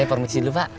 saya permisi dulu pak